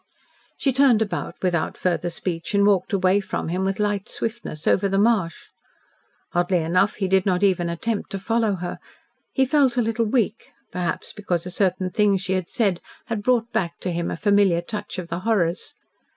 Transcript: She turned about without further speech, and walked away from him with light swiftness over the marsh. Oddly enough, he did not even attempt to follow her. He felt a little weak perhaps because a certain thing she had said had brought back to him a familiar touch of the horrors.